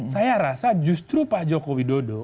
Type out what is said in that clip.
saya rasa justru pak jokowi dodo